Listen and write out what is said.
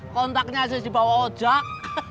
kontaknya aja dibawa ojak